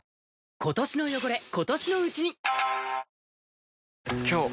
今年の汚れ、今年のうちに。